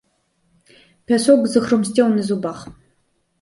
Пясок захрумсцеў на зубах.